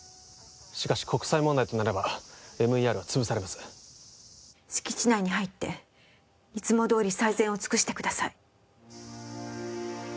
しかし国際問題となればＭＥＲは潰されます敷地内に入っていつもどおり最善を尽くしてください